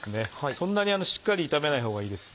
そんなにしっかり炒めない方がいいです。